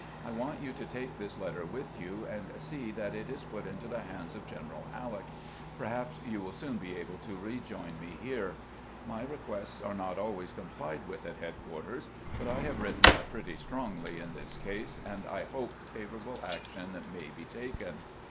I want you to take this letter with you, and see that it is put into the hands of General, Halleck ; perhaps you will soon be able to rejoin me here. My requests are not always complied with at headquarters, but I have written pretty strongly in this case, and I hope favorable action may be taken."